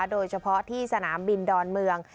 โดยเฉพาะที่สนามบินดอนเมือง